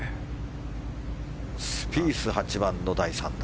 スピース、８番の第３打。